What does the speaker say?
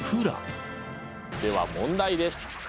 では問題です。